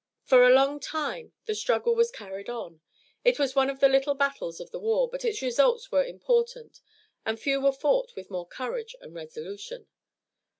For a long time the struggle was carried on. It was one of the little battles of the war, but its results were important and few were fought with more courage and resolution.